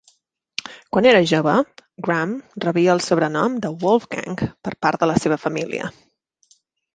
Quan era jove, Graham rebia el sobrenom de "Wolfgang" per part de la seva família.